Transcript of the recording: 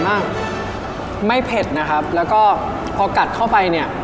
มากไม่เผ็ดนะครับแล้วก็พอกัดเข้าไปเนี่ย